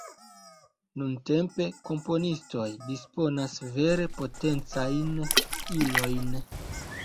Nuntempe komponistoj disponas vere potencajn ilojn.